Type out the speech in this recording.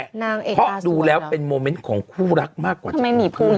นางเอกตาสวยแล้วเพราะดูแล้วเป็นโมเม้นต์ของคู่รักมากกว่าทำไมหนีผู้ยิ้มอ่ะ